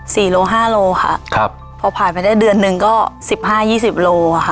โลห้าโลค่ะครับพอผ่านไปได้เดือนหนึ่งก็สิบห้ายี่สิบโลอ่ะค่ะ